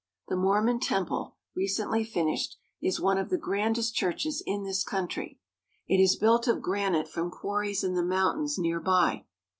The Mormon Temple, recently finished, is one of the grandest churches in this country. It is built of granite from quarries in the mountains near by.